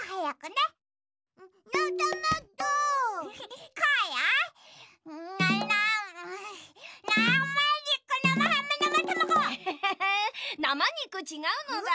なまにく？ちがうのだ。